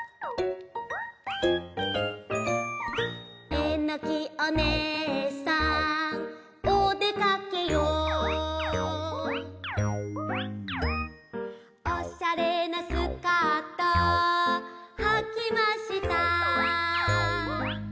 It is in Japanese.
「えのきお姉さんおでかけよ」「おしゃれなスカートはきました」